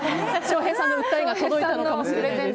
翔平さんの訴えが届いたのかもしれません。